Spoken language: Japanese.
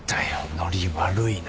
ノリ悪いな。